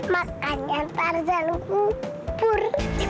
makanya tarzan lupur